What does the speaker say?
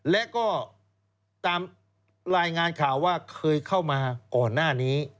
และก็ตามรายงานข่าวว่าเคยเข้ามาก่อนหน้านี้